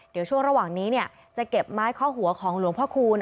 เดี๋ยวช่วงระหว่างนี้จะเก็บไม้ข้อหัวของหลวงพ่อคูณ